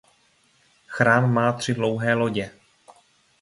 Chrám má tři dlouhé lodě.